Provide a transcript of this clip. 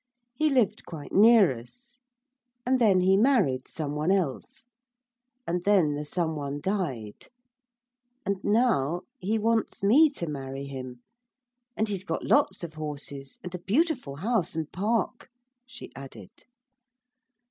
He lived quite near us. And then he married some one else. And then the some one died. And now he wants me to marry him. And he's got lots of horses and a beautiful house and park,' she added.